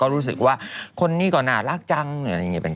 ดูว่าคนนี้กี่ก่อนอารักจังอย่างไหน